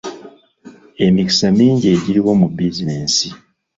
Emikisa mingi egiriwo mu bizinensi.